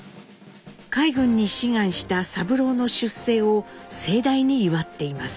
海軍に志願した三郎の出征を盛大に祝っています。